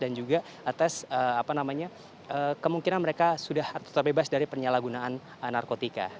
dan juga tes kemungkinan mereka sudah tetap bebas dari penyalahgunaan narkotika